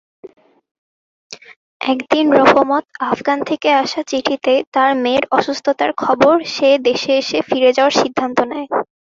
একদিন রহমত আফগান থেকে আসা চিঠিতে তার মেয়ের অসুস্থতার খবর পেয়ে সে দেশে ফিরে যাওয়ার সিদ্ধান্ত নেয়।